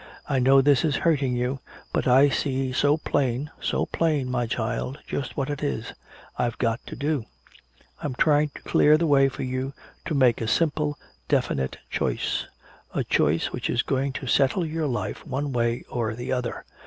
"I know this is hurting you, but I see so plain, so plain, my child, just what it is I've got to do. I'm trying to clear the way for you to make a simple definite choice a choice which is going to settle your life one way or the other.